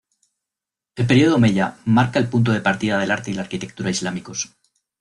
El período omeya marca el punto de partida del arte y la arquitectura islámicos.